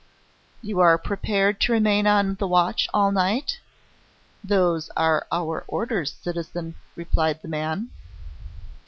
"You are prepared to remain on the watch all night?" "Those are our orders, citizen," replied the man.